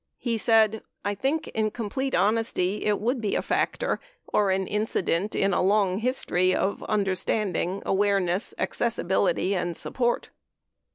He said : "I think, in complete honesty, it would be a factor or an incident in a long history of understanding, awareness, accessibility and support."